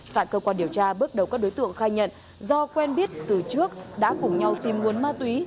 tại cơ quan điều tra bước đầu các đối tượng khai nhận do quen biết từ trước đã cùng nhau tìm nguồn ma túy